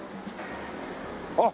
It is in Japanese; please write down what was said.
あっ！